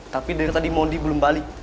tapi dari tadi modi belum balik